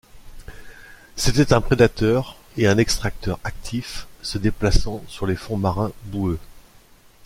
C'était un prédateur et un extracteur actif se déplaçant sur les fonds marins boueux.